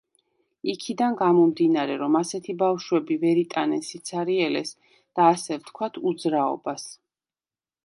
იქიდან გამომდინარე, რომ ასეთი ბავშვები ვერ იტანენ სიცარიელეს და ასე ვთქვათ, უძრაობას.